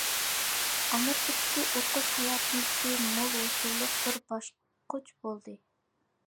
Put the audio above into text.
ئامېرىكىدىكى ئوقۇش ھاياتىمدىكى مول ھوسۇللۇق بىر باسقۇچ بولدى.